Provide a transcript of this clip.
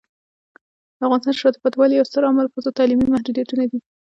د افغانستان د شاته پاتې والي یو ستر عامل ښځو تعلیمي محدودیتونه دي.